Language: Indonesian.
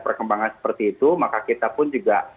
perkembangan seperti itu maka kita pun juga